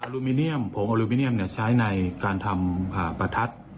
ลูมิเนียมผงอลูมิเนียมใช้ในการทำประทัด